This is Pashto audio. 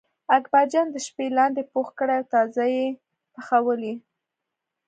اکبرجان د شپې لاندی پوخ کړی و تازه یې پخولی.